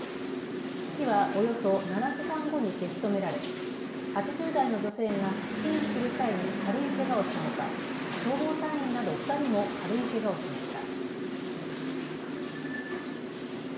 火はおよそ７時間後に消し止められ８０代の女性が避難する際に軽いけがをしたほか消防隊員など２人も軽いけがをしました。